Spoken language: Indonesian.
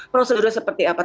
prosedurnya seperti apa